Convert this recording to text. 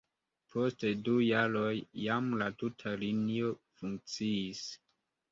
Post du jaroj jam la tuta linio funkciis.